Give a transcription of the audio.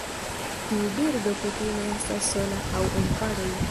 Tiu birdo kutime estas sola aŭ en paroj.